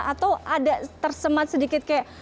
atau ada tersemat sedikit kayak